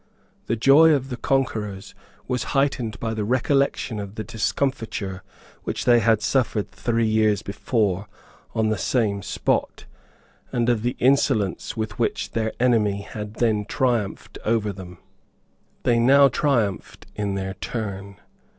The joy of the conquerors was heightened by the recollection of the discomfiture which they had suffered, three years before, on the same spot, and of the insolence with which their enemy had then triumphed over them. They now triumphed in their turn.